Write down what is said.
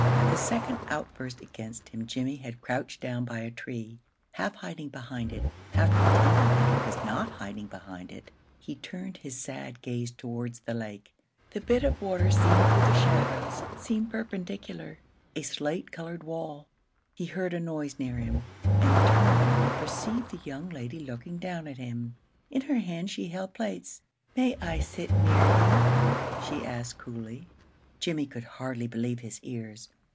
At the second outburst against him Jimmie had crouched down by a tree, half hiding behind it, half pretending that he was not hiding behind it. He turned his sad gaze towards the lake. The bit of water seen through the shadows seemed perpendicular, a slate colored wall. He heard a noise near him, and turning, he perceived the young lady looking down at him. In her hand she held plates. "May I sit near you?" she asked, coolly. Jimmie could hardly believe his ears.